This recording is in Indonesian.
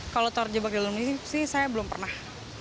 kalau terjebak di dalam lift sih saya belum pernah